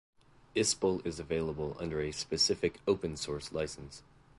Ispell is available under a specific open-source license.